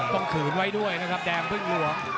ขืนไว้ด้วยนะครับแดงพึ่งหลวง